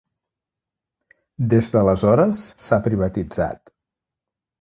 Des d'aleshores s'ha privatitzat.